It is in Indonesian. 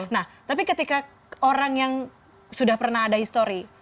nah tapi ketika orang yang sudah pernah ada histori